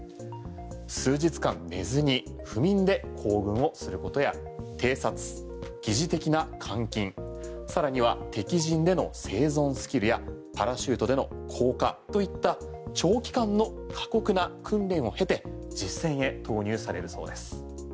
数日間寝ずに不眠で行軍をすることや偵察擬似的な監禁さらには敵陣での生存スキルやパラシュートでの降下といった長期間の過酷な訓練を経て実戦へ投入されるそうです。